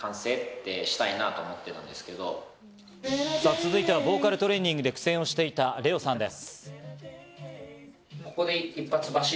続いては、ボーカルトレーニングで苦戦をしていたレオさんです。